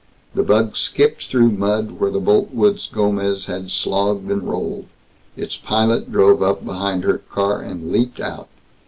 The bug skipped through mud where the Boltwoods' Gomez had slogged and rolled. Its pilot drove up behind her car, and leaped out.